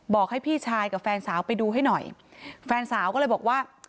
บอกให้พี่ชายกับแฟนสาวไปดูให้หน่อยแฟนสาวก็เลยบอกว่า